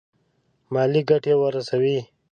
مالي ګټي ورسوي.